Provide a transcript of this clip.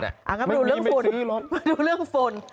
อะเดี๋ยวไปดูเรื่องฝุ่น